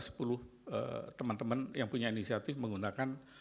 sepuluh teman teman yang punya inisiatif menggunakan